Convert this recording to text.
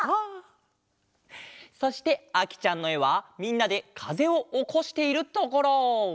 そしてあきちゃんのえはみんなでかぜをおこしているところ！